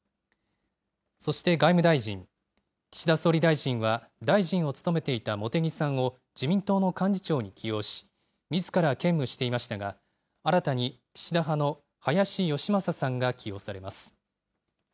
そして外務大臣、岸田総理大臣は、大臣を務めていた茂木さんを自民党の幹事長に起用し、みずから兼務していましたが、新たに岸田派の林芳正さんが起用されます。